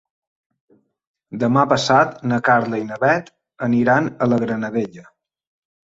Demà passat na Carla i na Bet aniran a la Granadella.